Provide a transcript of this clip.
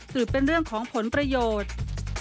คือเป็นเรื่องของผลประโยชน์